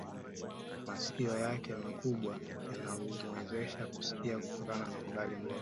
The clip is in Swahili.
Masikio yake makubwa yanamuwezesha kusikia kutoka umbali mrefu sana